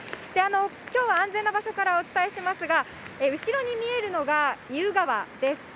きょうは安全な場所からお伝えしますが、後ろに見えるのが意宇川です。